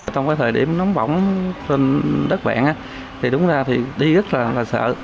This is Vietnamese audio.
trong cái thời điểm nóng bỏng trên đất vẹn thì đúng ra thì đi rất là sợ